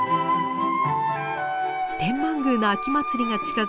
天満宮の秋祭りが近づき